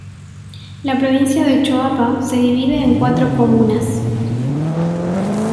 La provincia de Choapa se divide en cuatro comunas.